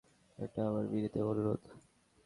এটা আমার বিনীত অনুরোধ।